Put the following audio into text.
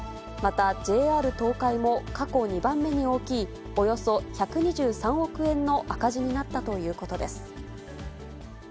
また、ＪＲ東海も過去２番目に大きい、およそ１２３億円の赤字になったということです。